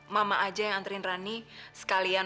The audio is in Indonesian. mama aja yang antrin rani sekalian